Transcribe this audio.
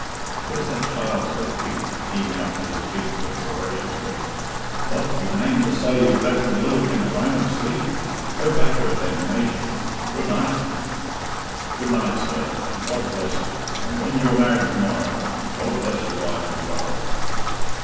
"Where's that child?" said Pete, heaving up to his feet with a ferocious look. "What! you mane to say you've left the lil thing alone, asleep? Go back to it then immajent. Good night!" "Good night, sir, and God bless you, and when you're married to morrow, God bless your wife as well!"